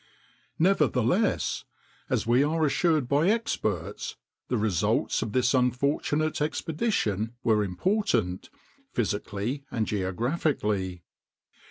Nevertheless, as we are assured by experts, the results of this unfortunate expedition were important, physically and geographically.